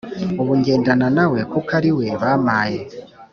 ubu ngendana nawe kuko ariwe bamaye